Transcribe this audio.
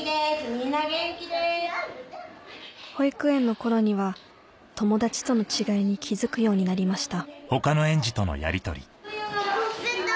みんな元気です・保育園の頃には友達との違いに気付くようになりました